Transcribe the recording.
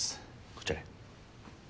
こちらへ。